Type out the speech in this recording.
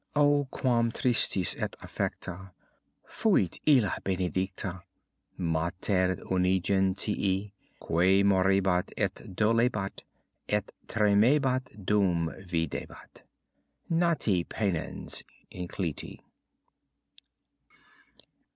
O quam tristis et afflicta Fuit illa benedicta Mater unigeniti. Quae moerebat et dolebat Et tremebat, dum videbat Nati poenas inclyti.